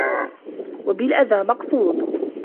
وَبِالْأَذَى مَقْصُودٌ